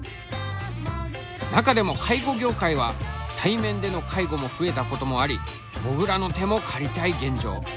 中でも介護業界は対面での介護も増えたこともありもぐらの手も借りたい現状。